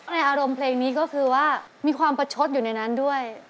อารมณ์เพลงนี้ก็คือว่ามีความประชดอยู่ในนั้นด้วย